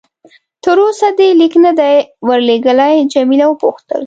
تر اوسه دې لیک نه دی ورلېږلی؟ جميله وپوښتل.